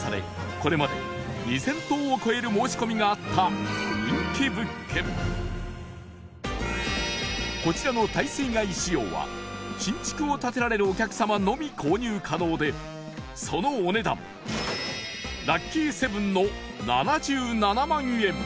これまで２０００棟を超える申し込みがあったこちらの耐水害仕様は新築を建てられるお客様のみ購入可能でそのお値段ラッキーセブンの７７万円